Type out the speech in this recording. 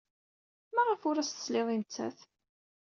Maɣef ur as-teslid i nettat?